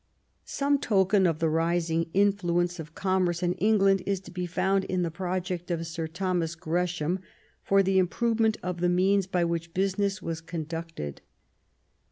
Some token of the rising influence of commerce in England is to be found in the project of Sir Thomas Gresham for the improvement of the means by which business was conducted.